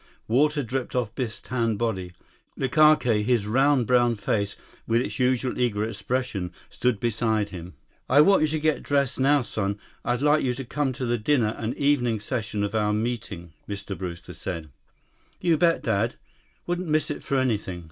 Water dripped off Biff's tanned body. Likake, his round brown face with its usual eager expression, stood beside him. "I want you to get dressed, now, son. I'd like you to come to the dinner and evening session of our meeting," Mr. Brewster said. "You bet, Dad. Wouldn't miss it for anything.